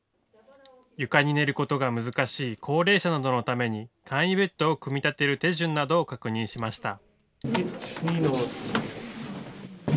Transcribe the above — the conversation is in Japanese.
床に寝ることが難しい高齢者などのために簡易ベッドを組み立てる手順などを確認しました。